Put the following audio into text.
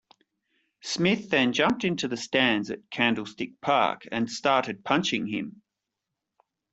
Smith then jumped into the stands at Candlestick Park and started punching him.